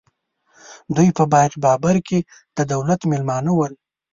دوی په باغ بابر کې د دولت مېلمانه ول.